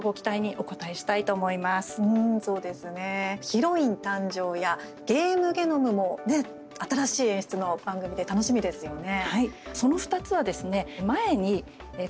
「ヒロイン誕生！」や「ゲームゲノム」も新しい演出の番組で楽しみですよね。